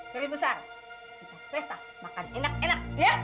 kita pesta makan enak enak